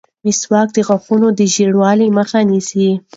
مسواک د غاښونو د ژېړوالي مخه نیسي.